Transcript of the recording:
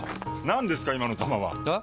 何ですか今の球は！え？